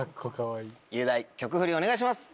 雄大曲フリお願いします。